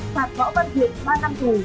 phạt võ văn thiện ba năm tù